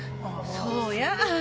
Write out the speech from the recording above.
そうや。